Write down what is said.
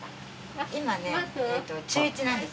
今ね中１なんです。